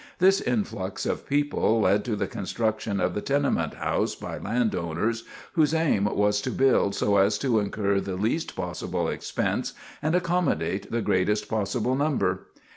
This influx of people led to the construction of the tenement house by landowners, whose aim was to build so as to incur the least possible expense and accommodate the greatest possible number.